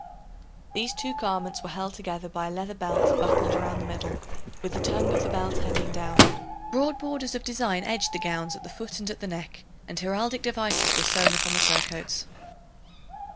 These two garments were held together by a leather belt buckled about the middle, with the tongue of the belt hanging down. Broad borders of design edged the gowns at the foot and at the neck, and heraldic devices were sewn upon the surcoats.